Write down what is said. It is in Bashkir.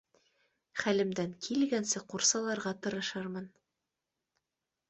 Хәлемдән килгәнсе ҡурсаларға тырышырмын.